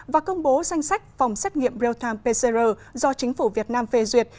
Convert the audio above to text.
và công bố danh sách phòng xét nghiệm braille time p do chính phủ việt nam phê duyệt